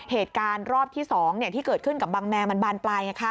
เหตุการณ์รอบที่๒ที่เกิดขึ้นกับบังแมนมันบานปลาย